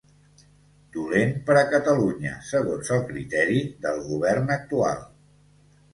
Dolent per a Catalunya, segons el criteri del Govern actual.